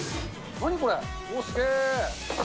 何これ？